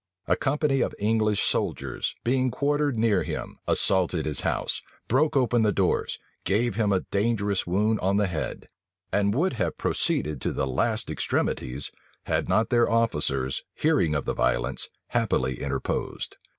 A company of English soldiers, being quartered near him, assaulted his house, broke open the doors, gave him a dangerous wound on the head, and would have proceeded to the last extremities, had not their officers, hearing of the violence, happily interposed.